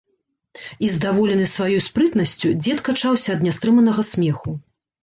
І, здаволены сваёй спрытнасцю, дзед качаўся ад нястрыманага смеху.